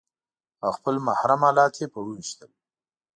او خپل محرم الات يې په وويشتل.